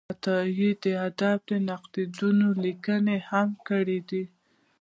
عطایي د ادبي نقدونو لیکنه هم کړې ده.